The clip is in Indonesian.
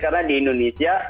karena di indonesia